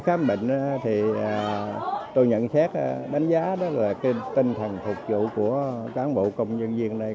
khám bệnh thì tôi nhận xét đánh giá đó là tinh thần phục vụ của cán bộ công nhân viên ở đây